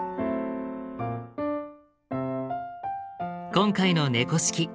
今回の「猫識」